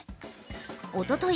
おととい